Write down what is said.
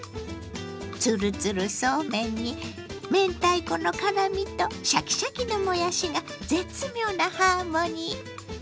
ツルツルそうめんに明太子の辛みとシャキシャキのもやしが絶妙なハーモニー。